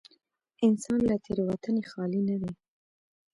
انسان له تېروتنې خالي نه دی.